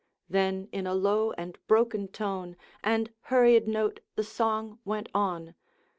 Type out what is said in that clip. Then, in a low and broken tone, And hurried note, the song went on.